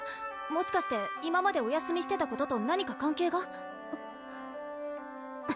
もしかして今までお休みしてたことと何か関係が？